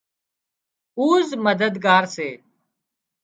اُوزمددگار سي